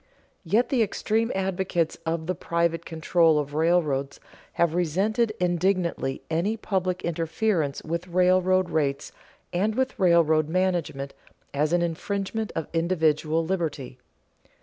Yet the extreme advocates of the private control of railroads have resented indignantly any public interference with railroad rates and with railroad management as an infringement of individual liberty.